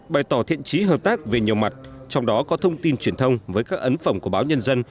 bày tỏ thiện trí hợp tác về nhiều mặt trong đó có thông tin truyền thông với các ấn phẩm của báo nhân dân